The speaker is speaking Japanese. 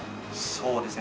そうですね。